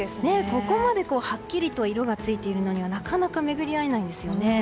ここまではっきりと色がついているのにはなかなか巡り会えないんですよね。